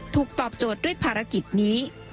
ตอบโจทย์ด้วยภารกิจนี้